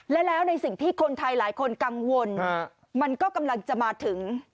และแล้วในสิ่งที่คนไทยหลายคนกังวลมันก็กำลังจะมาถึง